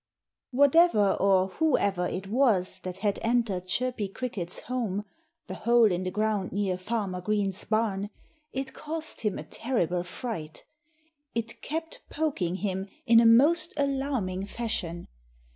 Whatever or whoever it was that had entered Chirpy Cricket's home the hole in the ground near Farmer Green's barn it caused him a terrible fright. It kept poking him in a most alarming fashion.